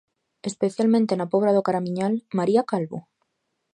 Especialmente na Pobra do Caramiñal, María Calvo?